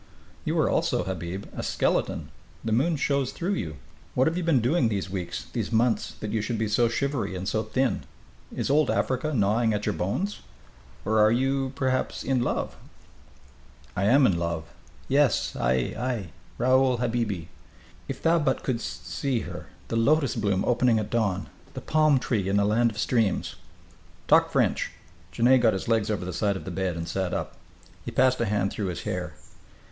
"You are also, Habib, a skeleton. The moon shows through you. What have you been doing these weeks, these months, that you should be so shivery and so thin? Is it Old Africa gnawing at your bones? Or are you, perhaps, in love?" "I am in love. Yes.... Ai, ai, Raoul habiby, if but thou couldst see her the lotus bloom opening at dawn the palm tree in a land of streams " "Talk French!" Genet got his legs over the side of the bed and sat up. He passed a hand through his hair.